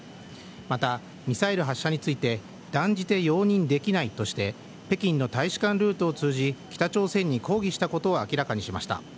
また、ミサイル発射について断じて容認できないとして北京の大使館ルートを通じ北朝鮮に抗議したことを明らかにしました。